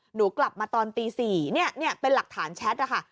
หนูกลับมาตอนตีสี่เนี่ยเนี่ยเป็นหลักฐานแชทอะค่ะ